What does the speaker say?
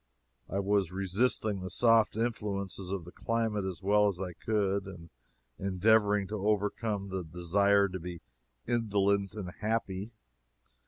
I was resisting the soft influences of the climate as well as I could, and endeavoring to overcome the desire to be indolent and happy.